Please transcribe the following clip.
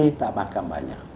saya tidak makan banyak